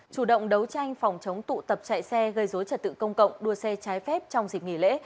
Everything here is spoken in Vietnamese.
chủ động đấu tranh phòng chống tụ tập chạy xe gây dối trật tự công cộng đua xe trái phép trong dịp nghỉ lễ